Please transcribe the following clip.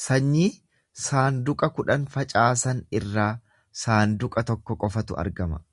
Sanyii saanduqa kudhan facaasan irraa saanduqa tokko qofatu argama.